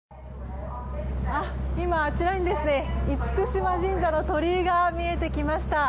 今、あちらに厳島神社の鳥居が見えてきました。